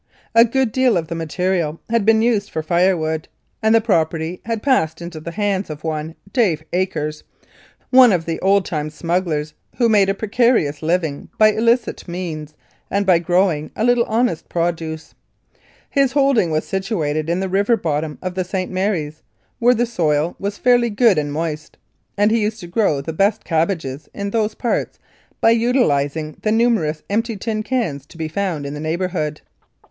A good deal of the material had been used for firewood, and the property had passed into the hands of one Dave Akers, one of the old time smugglers, who made a precarious living by illicit means and by growing a little honest produce. His holding was situated in the river bottom of the St. Mary's, where the soil was fairly good and moist, and he used to grow the best cabbages in those parts by utilising the numerous empty tin cans to be found in the neighbourhood.